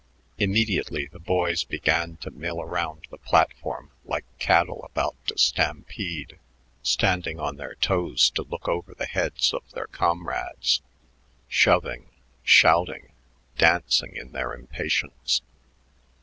Immediately the boys began to mill around the platform like cattle about to stampede, standing on their toes to look over the heads of their comrades, shoving, shouting, dancing in their impatience.